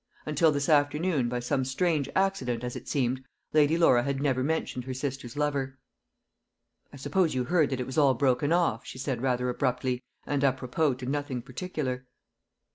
Until this afternoon, by some strange accident as it seemed, Lady Laura had never mentioned her sister's lover. "I suppose you heard that it was all broken off?" she said, rather abruptly, and apropos to nothing particular.